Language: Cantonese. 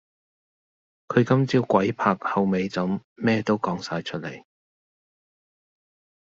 佢今朝鬼拍後背枕咩都講哂出黎